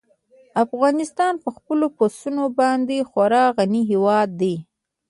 افغانستان په خپلو پسونو باندې خورا غني هېواد دی.